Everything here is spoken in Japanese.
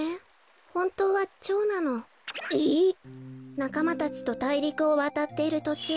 なかまたちとたいりくをわたっているとちゅう